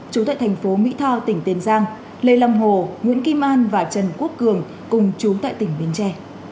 chú tại thành phố mỹ tho tỉnh tiền giang lê long hồ nguyễn kim an và trần quốc cường cùng chú tại tỉnh bến tre